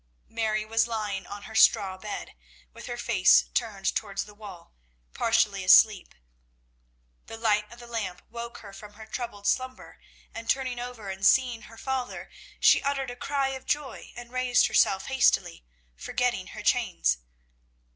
Mary was lying on her straw bed, with her face turned towards the wall, partially asleep. The light of the lamp woke her from her troubled slumber, and, turning over and seeing her father, she uttered a cry of joy and raised herself hastily, forgetting her chains.